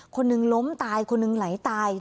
คนหนึ่งล้มตายคนหนึ่งไหลตาย